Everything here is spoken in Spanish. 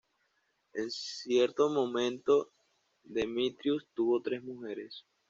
En cierto momento, Demetrius tuvo tres mujeres.